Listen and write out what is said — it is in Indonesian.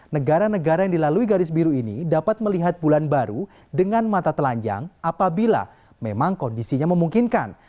negara negara yang dilalui garis biru ini dapat melihat bulan baru dengan mata telanjang apabila memang kondisinya memungkinkan